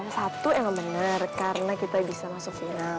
satu emang bener karena kita bisa masuk final